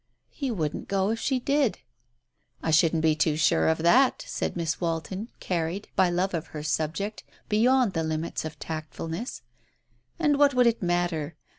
"He wouldn't go if she did." "I shouldn't be too sure of that," said Miss Walton, carried, by love of her subject, beyond the limits of tactfulness. "And what would it matter?